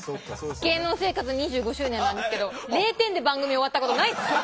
芸能生活２５周年なんですけど０点で番組終わったことないです。